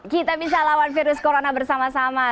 kita bisa lawan virus corona bersama sama